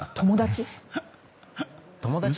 友達？